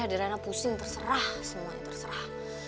sederhana pusing terserah semuanya terserah